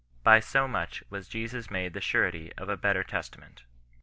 " By so much was Jesus made the surety of a better Testament."